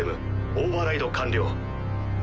オーバーライド完了。